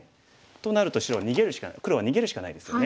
となると黒は逃げるしかないですよね。